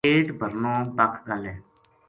پیٹ بھرنو بَکھ گل ہے۔